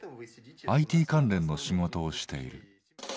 ＩＴ関連の仕事をしている。